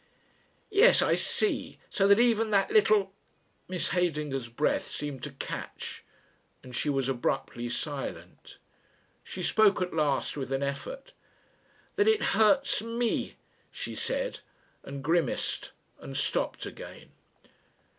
"Yes. I see. So that even that little " Miss Heydinger's breath seemed to catch and she was abruptly silent. She spoke at last with an effort. "That it hurts me," she said, and grimaced and stopped again.